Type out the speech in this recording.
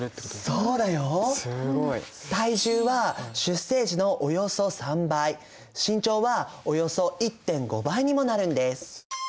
すごい！体重は出生時のおよそ３倍身長はおよそ１．５倍にもなるんです。